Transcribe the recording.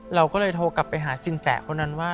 เราก็เลยโทรกลับไปหาสินแสคนนั้นว่า